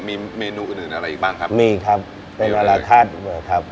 มีเมนูอื่นย์อะไรอีกบ้างครับมีครับเป็นนาหาราฆาตครับ